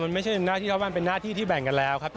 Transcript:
มันไม่ใช่หน้าที่ครับมันเป็นหน้าที่ที่แบ่งกันแล้วครับ